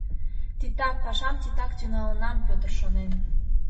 «Титак, пашам титак тӱҥалынам, — Пӧтыр шонен.